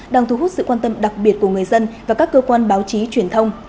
đang thu hút sự quan tâm đặc biệt của người dân và các cơ quan báo chí truyền thông